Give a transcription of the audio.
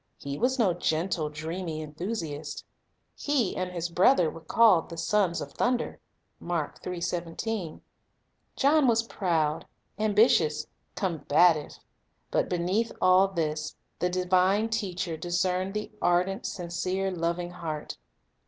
He was no gentle, dreamy enthusiast. He and his brother were called "the sons of thunder." 1 John was proud, ambitious, combative; but beneath all this the divine Teacher discerned the ardent, sincere, loving heart.